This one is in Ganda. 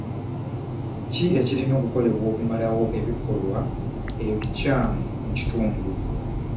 Ki ekirina okukolebwa okumalawo ebikolwa ebikyamu mu kitundu?